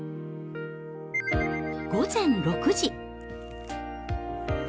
午前６時。